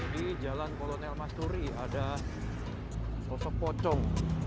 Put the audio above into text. di jalan kolonel masturi ada sosok pocong